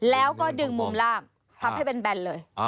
แล้วก็ดึงมุมล่างพับให้แบนเลย